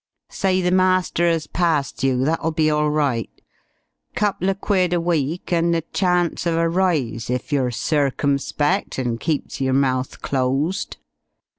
Say the master 'as passed you, that'll be all right. Couple o' quid a week, and the chance of a rise if you're circumspect and keeps yer mouth closed."